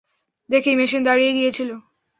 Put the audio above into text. দেখেই মেশিন দাড়িয়ে গিয়েছিল।